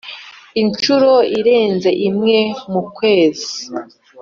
Inshuro irenze imwe mu kwezi